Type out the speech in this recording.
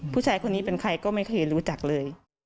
ผู้ชายคนนี้เป็นใครก็ไม่เคยรู้จักเลย